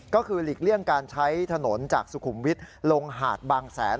ก็คือหลีกเลี่ยงการใช้ถนนจากสุขุมวิทย์ลงหาดบางแสน